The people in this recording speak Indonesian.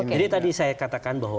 jadi tadi saya katakan bahwa